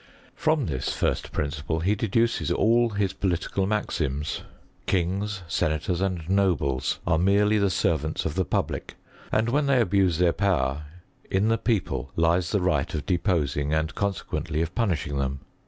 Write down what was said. From this first principle he deduces all hii political maxims. Kings, senators, and nobles, are merely the servants of the public ; and when they abuse their power, in the people lies the right of deposing and consequently of punishing them.